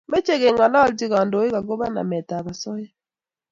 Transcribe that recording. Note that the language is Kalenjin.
Mache kengalolchi kandoik akobo namet ab asoya